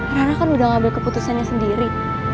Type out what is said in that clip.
ranah kan udah ngambil keputusannya sendiri